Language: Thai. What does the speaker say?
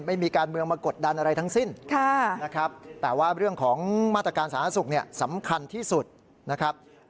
ไม่มีการเมืองมากดดันอะไรทั้งสิ้นนะครับแต่ว่าเรื่องของมาตรการสาธารณสุขเนี่ยสำคัญที่สุดนะครับ